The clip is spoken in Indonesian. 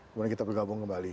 kemudian kita bergabung kembali